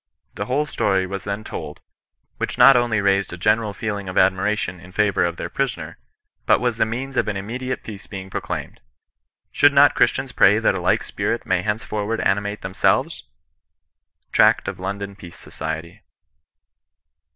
The whole story was then told; which not only raised a general feeling of admiration in favour of their prisoner, but was the means of an immediate peace being pro claimed ! Should not Christians pray that a like spirit may hencefonoard animate themselves ?— Tract of Lon don Peace Society.